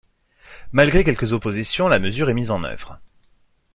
Malgré quelques oppositions, la mesure est mise en œuvre.